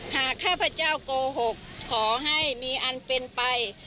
ข้าพเจ้าโกหกขอให้มีอันเป็นไป